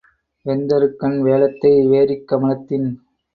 வெந்தறுகண் வேழத்தை வேரிக் கமலத்தின்